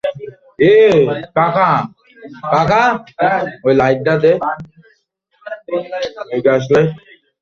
এই নাও তোমার পতাকা।